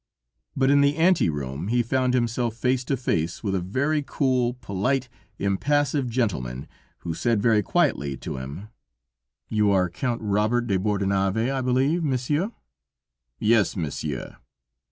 But in the ante room he found himself face to face with a very cool, polite, impassive gentleman, who said very quietly to him: "You are Count Robert de Bordenave, I believe. Monsieur?" "Yes, Monsieur."